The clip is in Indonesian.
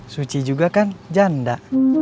suci juga kan janda